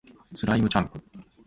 スライムチャンク